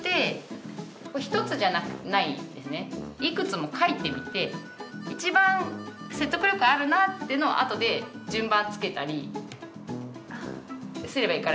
いくつも書いてみて一番説得力あるなっていうのをあとで順番つけたりすればいいから。